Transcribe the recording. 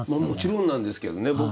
もちろんなんですけどね。